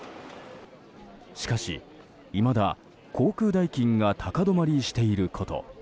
しかし、いまだ航空代金が高止まりしていること